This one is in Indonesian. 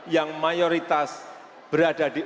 yang mayoritas berada di